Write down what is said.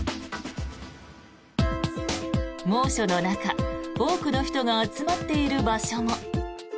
猛暑の中、多くの人が集まっている場所も。